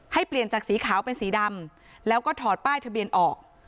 ให้เปลี่ยนจากสีขาวเป็นสีดำแล้วก็ถอดป้ายทะเบียนออก